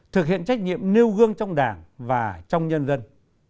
thực hiện trách nhiệm nêu gương trong đảng và trong nhân dân